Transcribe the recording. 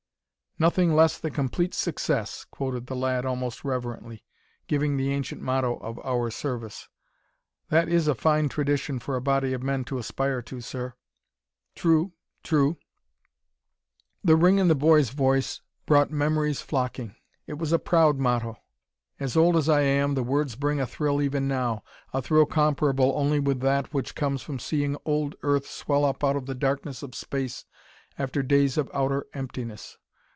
"'Nothing Less than Complete Success,'" quoted the lad almost reverently, giving the ancient motto of our service. "That is a fine tradition for a body of men to aspire to, sir." "True. True." The ring in the boy's voice brought memories flocking. It was a proud motto; as old as I am, the words bring a thrill even now, a thrill comparable only with that which comes from seeing old Earth swell up out of the darkness of space after days of outer emptiness.